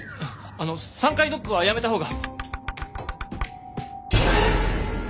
あの３回ノックはやめた方が。